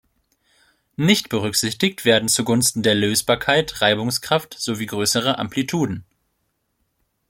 Nicht berücksichtigt werden zugunsten der Lösbarkeit Reibungskraft sowie größere Amplituden.